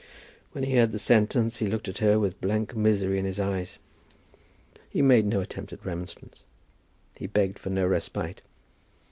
When he heard the sentence he looked at her with blank misery in his eyes. He made no attempt at remonstrance. He begged for no respite.